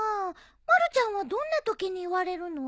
まるちゃんはどんなときに言われるの？